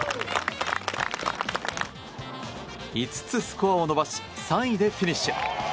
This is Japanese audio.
５つスコアを伸ばし３位でフィニッシュ。